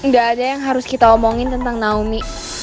gak ada yang harus kita omongin tentang naomi